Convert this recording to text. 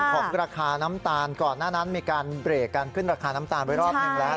ของราคาน้ำตาลก่อนหน้านั้นมีการเบรกการขึ้นราคาน้ำตาลไปรอบหนึ่งแล้ว